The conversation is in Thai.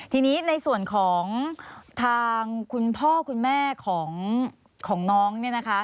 ทีนี้ในส่วนของทางคุณพ่อคุณแม่ของน้อง